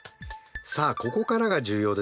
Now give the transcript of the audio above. さあここからが重要ですよ。